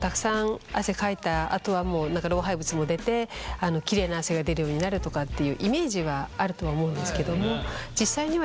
たくさん汗かいたあとは老廃物も出てきれいな汗が出るようになるとかっていうイメージはあるとは思うんですけども実際にはえ。